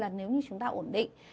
và nếu như chúng ta ổn định